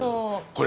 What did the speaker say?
これ。